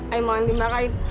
ayah mau dimakan